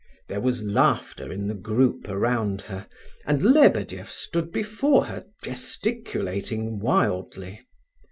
There was laughter in the group around her, and Lebedeff stood before her gesticulating wildly.